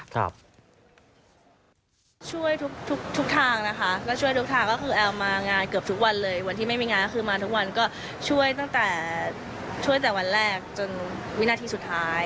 ช่วยทุกทางนะคะก็ช่วยทุกทางก็คือแอมมางานเกือบทุกวันเลยวันที่ไม่มีงานคือมาทุกวันก็ช่วยตั้งแต่ช่วยแต่วันแรกจนวินาทีสุดท้าย